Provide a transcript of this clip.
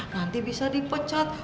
nanti bisa dipecat